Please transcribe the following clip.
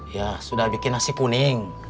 ya sudah bikin nasi kuning